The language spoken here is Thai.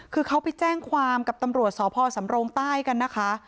คือเขาไปแจ้งความกับตำรวจสพสำโรงใต้กันนะคะ